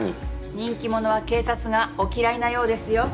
人気者は警察がお嫌いなようですよ。